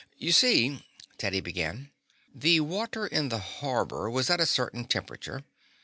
"You see," Teddy began, "the water in the harbor was at a certain temperature.